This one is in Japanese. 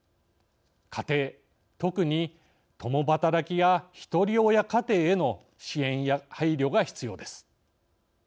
家庭、特に共働き家庭やひとり親家庭への支援や配慮が必要です。